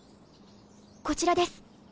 こちらです。